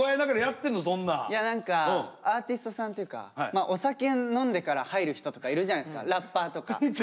いや何かアーティストさんっていうかお酒を飲んでから入る人とかいるじゃないですかラッパーとか。